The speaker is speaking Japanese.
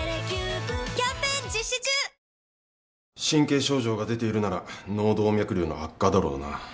神経症状が出ているなら脳動脈瘤の悪化だろうな。